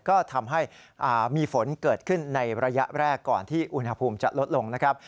ก็ทำให้มีฝนเกิดขึ้นในระยะแรกก่อนที่อุณหภูมิจะลดลงนะครับ